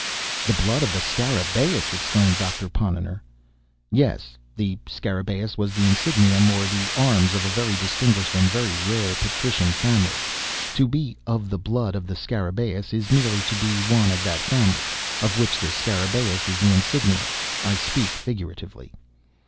"The blood of the Scarabaeus!" exclaimed Doctor Ponnonner. "Yes. The Scarabaeus was the insignium or the 'arms,' of a very distinguished and very rare patrician family. To be 'of the blood of the Scarabaeus,' is merely to be one of that family of which the Scarabaeus is the insignium. I speak figuratively."